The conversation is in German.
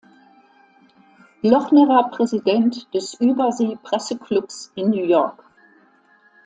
Lochner war Präsident des Übersee-Presse-Clubs in New York.